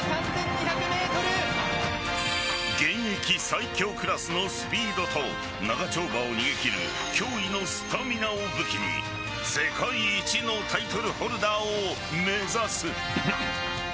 現役最強クラスのスピードと長丁場を逃げ切る驚異のスタミナを武器に世界一のタイトルホルダーを目指す。